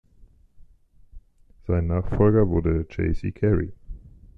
Sein Nachfolger wurde Chase Carey.